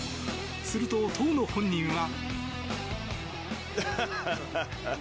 すると、当の本人は。